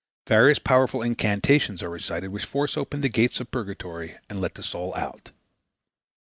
Various powerful incantations are recited which force open the gates of purgatory and let the soul out.